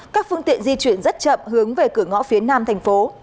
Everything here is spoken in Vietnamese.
các phương tiện di chuyển rất chậm hướng về cửa ngõ phía nam thành phố